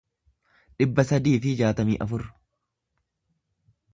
dhibba sadii fi jaatamii afur